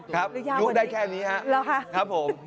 ขอดูได้แค่นี้ค่ะ